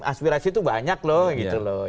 aspirasi itu banyak loh gitu loh